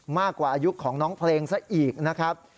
มากกว่าอายุของน้องเพลงซะอีกนะครับ